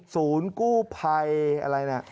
ศูนย์กู้ภัยอะไรนะ